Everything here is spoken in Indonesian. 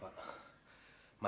warga sangat marah pak